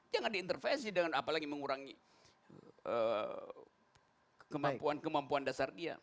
jangan diintervensi dengan apalagi mengurangi kemampuan kemampuan dasar dia